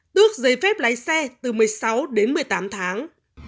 tước giấy phép lái xe từ một mươi sáu đến một mươi tám tháng